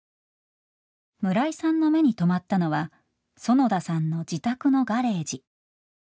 村井さんの目に留まったのは園田さんの自宅のガレージ。